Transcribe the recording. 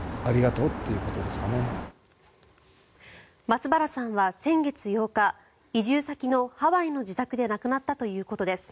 松原さんは先月８日移住先のハワイの自宅で亡くなったということです。